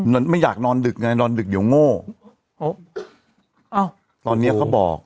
ไม่อยากนอนดึกไงนอนดึกเดี๋ยวโง่อ้าวตอนเนี้ยเขาบอก